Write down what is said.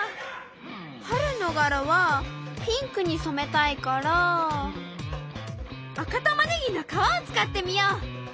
春の柄はピンクにそめたいから赤タマネギの皮を使ってみよう。